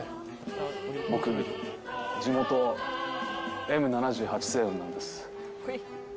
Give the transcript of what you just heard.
僕、地元、Ｍ７８星雲なんです。